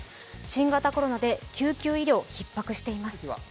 新型コロナで救急医療、ひっ迫しています。